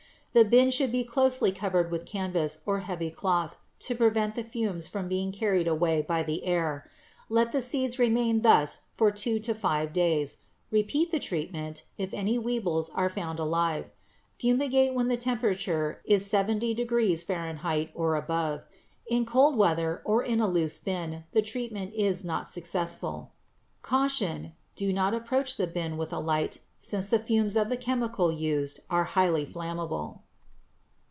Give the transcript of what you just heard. The bin should be closely covered with canvas or heavy cloth to prevent the fumes from being carried away by the air. Let the seeds remain thus from two to five days. Repeat the treatment if any weevils are found alive. Fumigate when the temperature is 70° Fahrenheit or above. In cold weather or in a loose bin the treatment is not successful. Caution: Do not approach the bin with a light, since the fumes of the chemical used are highly inflammable.